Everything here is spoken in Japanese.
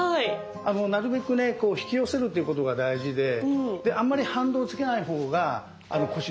なるべく引き寄せるっていうことが大事であんまり反動をつけない方が腰に負担がかからないので。